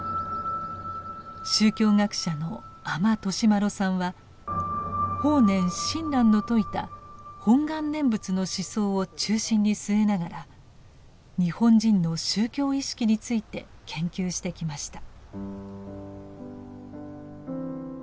宗教学者の阿満利麿さんは法然親鸞の説いた本願念仏の思想を中心に据えながら日本人の宗教意識について研究してきました。